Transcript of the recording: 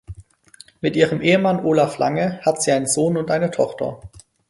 Mit ihrem Ehemann Olaf Lange hat sie einen Sohn und eine Tochter.